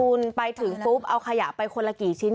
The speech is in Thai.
คุณไปถึงปุ๊บเอาขยะไปคนละกี่ชิ้น